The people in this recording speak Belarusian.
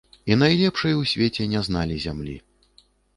І найлепшай у свеце не зналі зямлі.